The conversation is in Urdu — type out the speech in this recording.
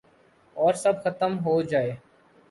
اور سب ختم ہوجائے